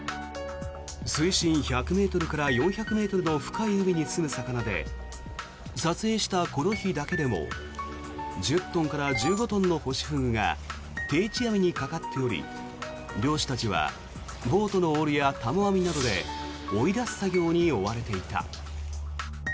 水深１００ｍから４００ｍの深い海にすむ魚で撮影したこの日だけでも１０トンから１５トンのホシフグが定置網にかかっており漁師たちはボートのオールやたも網などで追い出す作業に追われていた。